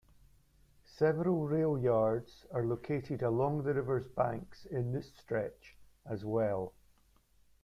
Several rail yards are located along the river's banks in this stretch, as well.